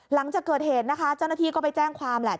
หลังจากเกิดเหตุนะคะเจ้าหน้าที่ก็ไปแจ้งความแหละ